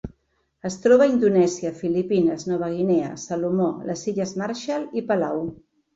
Es troba a Indonèsia, Filipines, Nova Guinea, Salomó, les Illes Marshall i Palau.